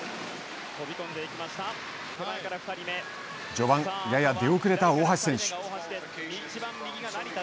序盤、やや出遅れた大橋選手。